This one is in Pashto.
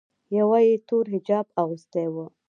یوه یې تور حجاب اغوستی و.